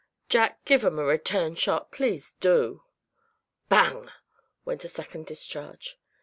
Jack, give 'em a return shot, please do!" "Bang!" went a second discharge.